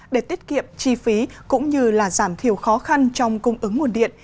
để tiết kiệm chi phí cũng như là giảm thiểu khó khăn trong cung ứng nguồn điện